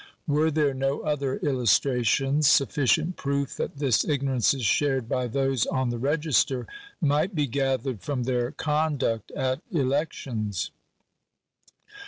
Were there no other illustra tions, sufficient proof that this ignorance is shared by those on the register, might be gathered from their conduct at elections.